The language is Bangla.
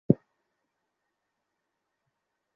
হ্যাপির ঘরটাকে ব্যবহার করতে - কেমন যেন অপরাধবোধ কাজ করছে।